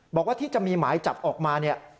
บอกว่าที่จะมีหมายจับออกมาเนี่ย